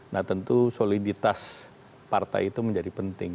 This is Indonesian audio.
nah tentu soliditas partai itu menjadi penting